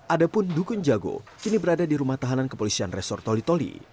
ada pun dukun jago kini berada di rumah tahanan kepolisian restoran toli toli